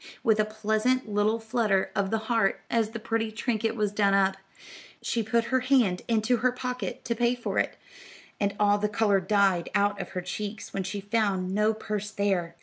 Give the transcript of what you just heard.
With a pleasant little flutter of the heart as the pretty trinket was done up, she put her hand into her pocket to pay for it, and all the color died out of her cheeks when she found no purse there.